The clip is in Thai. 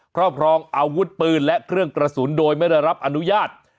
ครอบครองอาวุธปืนและเครื่องกระสุนโดยไม่ได้รับอนุญาต